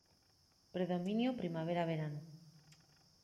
Predominio primavera verano.